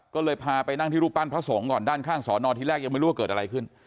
ก็เลยพาไปนั่งที่รูปปั้นพระสงฆ์ก่อนด้านข้างสอนอที่แรกยังไม่รู้ว่าเกิดอะไรขึ้น